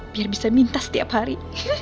biar bisa minta setiap hari